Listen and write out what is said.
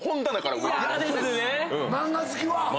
漫画好きは。